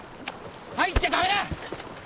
入っちゃダメだ！